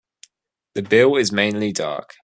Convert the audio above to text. The bill is mainly dark.